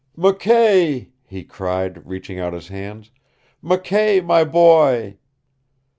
"McKay," he cried, reaching out his hands. "McKay, my boy!"